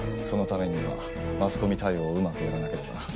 そのためにはマスコミ対応をうまくやらなければ。